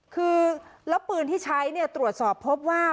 คือแล้วปืนที่ใช้ตรวจสอบพบว่า